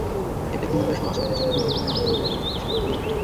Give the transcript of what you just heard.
এতে কুমিল্লাসহ আশপাশের জেলায় দুর্ঘটনায় আহত রোগীরা যথাযথ সেবা থেকে বঞ্চিত হচ্ছে।